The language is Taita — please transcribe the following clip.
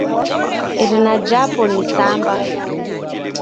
Irina jhapo ni Samba.